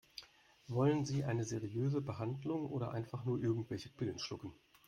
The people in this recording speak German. Wollen Sie eine seriöse Behandlung oder einfach nur irgendwelche Pillen schlucken?